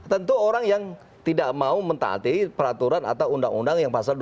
tentu orang yang tidak mau mentaati peraturan atau undang undang yang pasal dua puluh